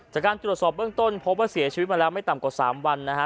จากการตรวจสอบเบื้องต้นพบว่าเสียชีวิตมาแล้วไม่ต่ำกว่า๓วันนะฮะ